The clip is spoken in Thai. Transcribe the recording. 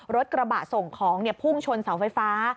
รถกระบะส่งของพุ่งชนเสาไฟฟ้า